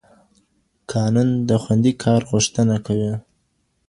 قانون د خوندي کار غوښتنه کوي.